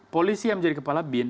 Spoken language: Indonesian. polisi yang menjadi kepala bin